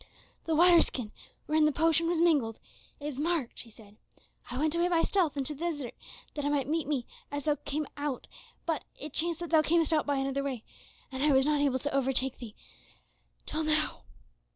"The water skin wherein the potion was mingled is marked," he said. "I went away by stealth into the desert that I might meet thee as thou camest out, but it chanced that thou camest out by another way, and I was not able to overtake thee till now."